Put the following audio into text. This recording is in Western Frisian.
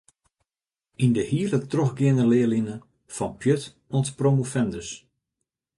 Yn de hiele trochgeande learline, ‘fan pjut oant promovendus’.